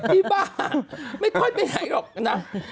ที่บ้านไม่ค่อยไปไหนหรอกนะ